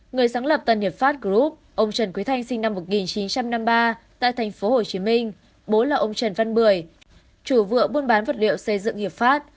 người sáng lập tân hiệp pháp group ông trần quý thanh sinh năm một nghìn chín trăm năm mươi ba tại tp hcm bố là ông trần văn bưởi chủ vựa buôn bán vật liệu xây dựng hiệp pháp